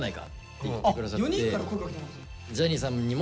ジャニーさんにも